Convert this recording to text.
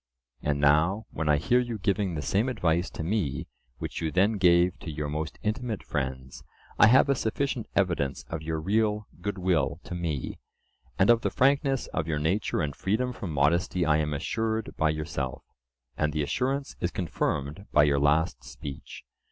And now when I hear you giving the same advice to me which you then gave to your most intimate friends, I have a sufficient evidence of your real good will to me. And of the frankness of your nature and freedom from modesty I am assured by yourself, and the assurance is confirmed by your last speech.